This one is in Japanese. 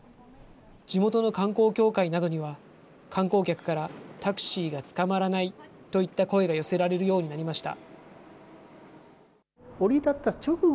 地元の観光協会などには、観光客からタクシーがつかまらないといった声が寄せられるようになりました。